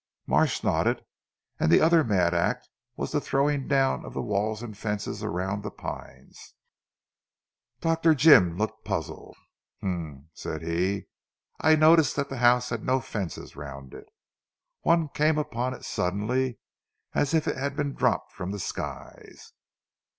Marsh nodded. "And the other mad act was the throwing down of the walls and fences round the Pines." Dr. Jim looked puzzled. "Humph," said he, "I noticed that the house had no fences round it. One came upon it suddenly, as if it had been dropped from the skies.